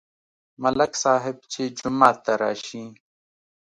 ملک صاحب چې جومات ته راشي،